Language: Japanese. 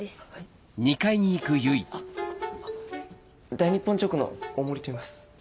大日本チョークの大森といいます。